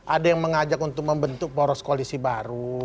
ada yang mengajak untuk membentuk poros koalisi baru